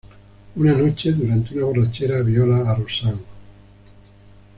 Una noche, durante una borrachera, viola a Roseanne.